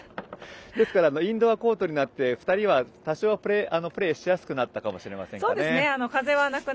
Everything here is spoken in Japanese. ですからインドアコートになって、２人は多少プレーしやすくなったかもしれませんね。